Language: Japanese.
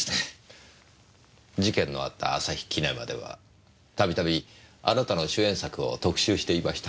事件のあった旭キネマではたびたびあなたの主演作を特集していました。